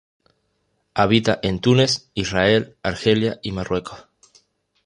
Habita en Túnez, Israel, Argelia y Marruecos.